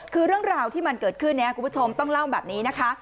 คือเรื่องราวที่มันเกิดขึ้นเนี่ยคุณผู้ชมต้องเล่าแบบนี้นะคะ